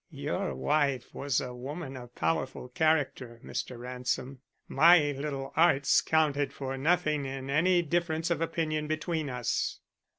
Your wife was a woman of powerful character, Mr. Ransom. My little arts counted for nothing in any difference of opinion between us."